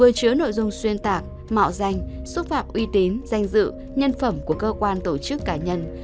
người chứa nội dung xuyên tạc mạo danh xúc phạm uy tín danh dự nhân phẩm của cơ quan tổ chức cá nhân